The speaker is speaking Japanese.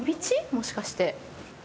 もしかして。